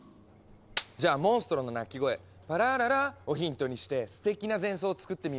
じゃあモンストロの鳴き声「パラララ」をヒントにしてすてきな前奏を作ってみよう。